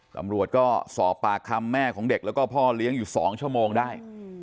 ตำรวจก็สอบปากคำแม่ของเด็กแล้วก็พ่อเลี้ยงอยู่๒ชั่วโมงได้